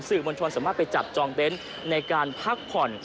มวลชนสามารถไปจับจองเบนท์ในการพักผ่อน